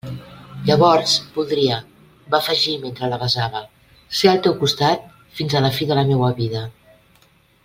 Llavors voldria —va afegir mentre la besava— ser al teu costat fins a la fi de la meua vida!